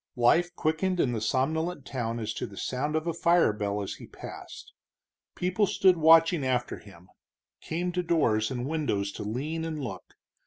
Life quickened in the somnolent town as to the sound of a fire bell as he passed; people stood watching after him; came to doors and windows to lean and look.